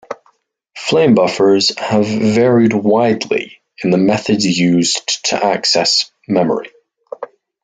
Framebuffers have varied widely in the methods used to access memory.